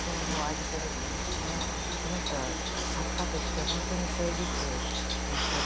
この人は作家としてほんとに誠実な人で。